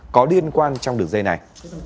có liên quan trong đường dây này